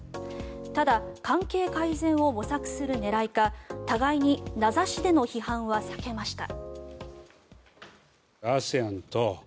ただ、関係改善を模索する狙いか互いに名指しでの批判は避けました。